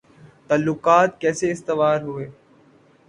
تعلقات کیسے استوار ہوئے